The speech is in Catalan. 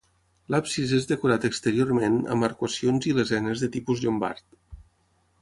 L'absis és decorat exteriorment amb arcuacions i lesenes de tipus llombard.